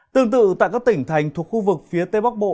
tương tự tại các tỉnh thành thuộc khu vực phía tây bắc bộ